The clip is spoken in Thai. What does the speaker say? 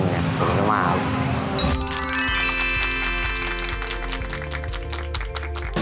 อยากดูมาครับ